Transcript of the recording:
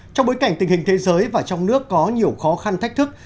trong bối cảnh tình hình thế giới và trong nước có nhiều khó khăn thách thức